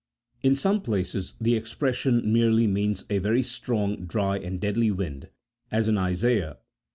In some places the expression merely means a very strong, dry, and deadly wind, as in Isaiah xl.